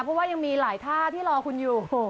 เพราะว่ายังมีหลายท่าที่รอคุณอยู่